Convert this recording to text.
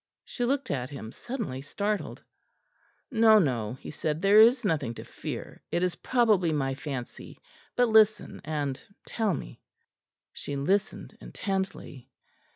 She looked at him, suddenly startled. "No, no," he said, "there is nothing to fear; it is probably my fancy; but listen and tell me." She listened intently.